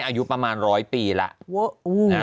อายุประมาณ๑๐๐ปีแล้ว